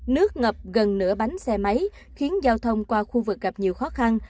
nước ngập gần nửa bánh xe máy khiến giao thông qua khu vực gặp nhiều khó khăn